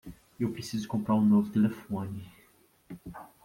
Eu preciso comprar um novo telefone.